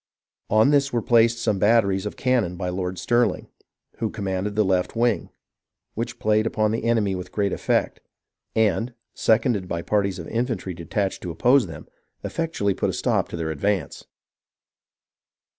On this were placed some batteries of cannon by Lord Stirling, who commanded the left wing, v/hich played upon the enemy with great effect ; and, seconded by parties of infantry detached to oppose them, effectually put a stop to their advance.